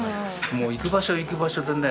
もう行く場所行く場所でね